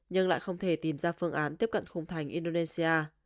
nhưng lại không thể tìm ra phương án tiếp cận khung thành indonesia